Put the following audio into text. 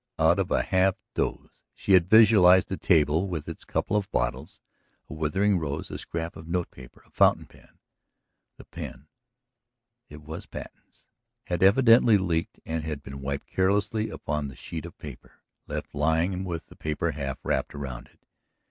Out of a half doze she had visualized the table with its couple of bottles, a withering rose, a scrap of note paper, a fountain pen. The pen ... it was Patten's ... had evidently leaked and had been wiped carelessly upon the sheet of paper, left lying with the paper half wrapped around it.